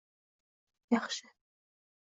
T: Yaxshi